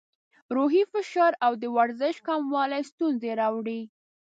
روحي فشار او د ورزش کموالی ستونزې راوړي.